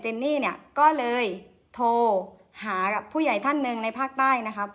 เจนนี่เนี้ยก็เลยโทรหาผู้ใหญ่ท่านหนึ่งในภาคใต้นะคะ